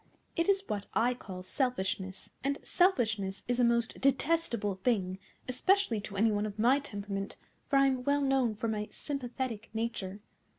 It is what I call selfishness, and selfishness is a most detestable thing, especially to any one of my temperament, for I am well known for my sympathetic nature.